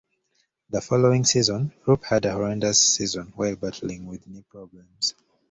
The following season, Rupe had a horrendous season while battling with knee problems.